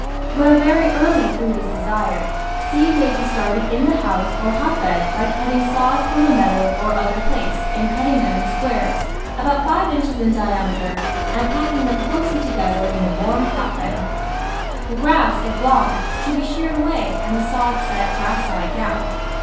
Where very early fruit is desired, THE VEGETABLE GARDEN seed may be started in the house or hotbed by cut ting sods from a meadow or other place and cutting them in squares about five inches in diameter and packing them closely together in a warm hotbed. The grass, if long, should be sheared away and the sods set grass side down.